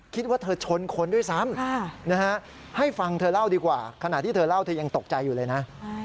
คิดว่าเธอชนคนด้วยซ้ำให้ฟังเธอเล่าดีกว่าขณะที่เธอเล่าเธอยังตกใจอยู่เลยนะ